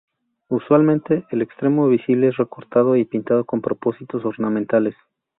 Usualmente el extremo visible es recortado y pintado con propósitos ornamentales.